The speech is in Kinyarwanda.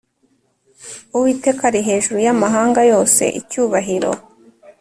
Uwiteka ari hejuru y amahanga yose Icyubahiro